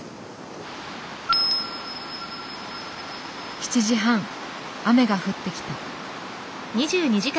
７時半雨が降ってきた。